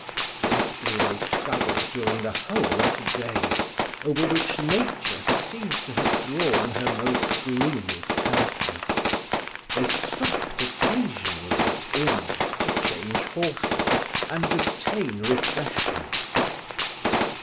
Swiftly they travelled during the whole of the day, over which nature seemed to have drawn her most gloomy curtain. They stopped occasionally at inns to change horses and obtain refreshments.